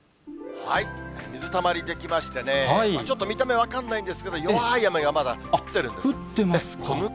水たまり出来ましてね、ちょっと見た目分かんないんですけど、弱い雨がまだ降ってるんで降ってますか。